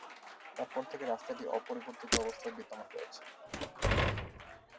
তারপর থেকে রাস্তাটি অপরিবর্তিত অবস্থায় বিদ্যমান রয়েছে।